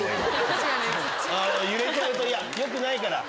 揺れちゃうとよくないから。